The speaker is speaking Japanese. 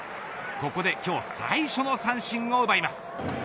ここで今日最初の三振を奪います。